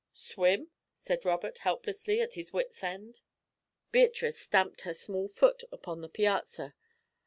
"Swim," said Robert, helplessly, at his wit's end. Beatrice stamped her small foot upon the piazza.